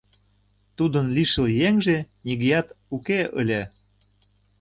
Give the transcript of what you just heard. Тудын лишыл еҥже нигӧат уке ыле.